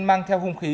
mang theo hung khí